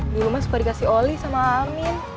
dulu mah suka dikasih oli sama amin